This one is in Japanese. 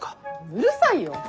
うるさいよ！